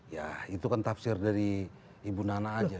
ya itu kan tafsir dari ibu nana aja